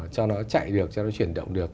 cho nó chạy được cho nó chuyển động được